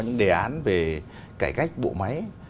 những đề án về cải cách bộ máy